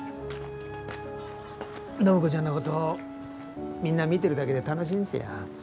暢子ちゃんのことみんな見てるだけで楽しいんですよ。